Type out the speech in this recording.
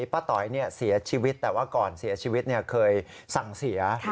ต๋อยเสียชีวิตแต่ว่าก่อนเสียชีวิตเคยสั่งเสีย